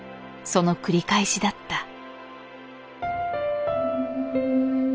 その繰り返しだった。